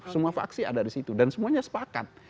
semua faksi ada di situ dan semuanya sepakat